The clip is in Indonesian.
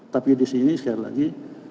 tapi di sini sekali lagi